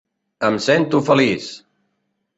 Em sento feliç!